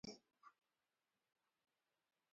يوه ورځ مې د گاونډي زوى وليد.